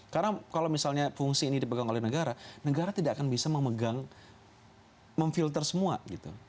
karena kalau misalnya fungsi ini dipegang oleh negara negara tidak akan bisa memegang memfilter semua gitu